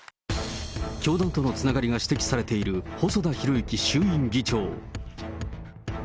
教団とのつながりが指摘されている細田博之衆議院議長。